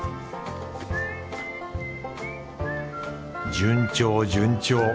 順調順調。